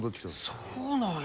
あそうなんや。